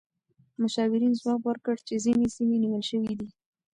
مشاورین ځواب ورکړ چې ځینې سیمې نیول شوې دي.